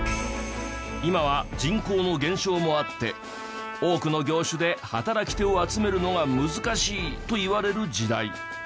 今は人口の減少もあって多くの業種で働き手を集めるのが難しいといわれる時代。